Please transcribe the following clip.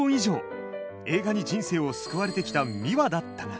映画に人生を救われてきたミワだったが。